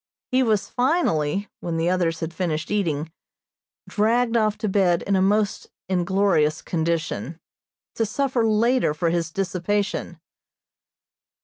He was finally, when the others had finished eating, dragged off to bed in a most inglorious condition, to suffer later for his dissipation.